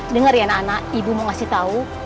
dengar ya anak anak ibu mau ngasih tahu